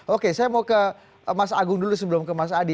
oke saya mau ke mas agung dulu sebelum ke mas adi